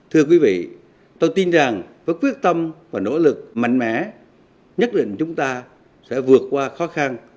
thưa quý vị tôi tin rằng với quyết tâm và nỗ lực mạnh mẽ nhất định chúng ta sẽ vượt qua khó khăn